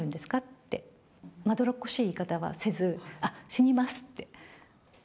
って、まどろっこしい言い方はせず、あっ、死にますって。